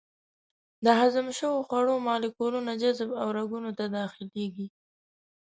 د هضم شوو خوړو مالیکولونه جذب او رګونو ته داخلېږي.